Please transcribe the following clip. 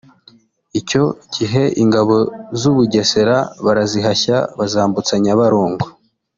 Icyo gihe ingabo z’u Bugesera barazihashya bazambutsa Nyabarongo